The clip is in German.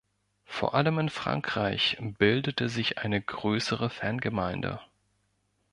Vor allem in Frankreich bildete sich eine größere Fangemeinde.